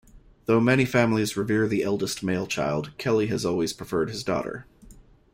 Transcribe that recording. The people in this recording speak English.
Though many families revere the eldest male child, Kelly has always preferred his daughter.